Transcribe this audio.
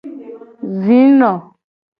Zino.